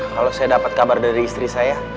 kalau saya dapat kabar dari istri saya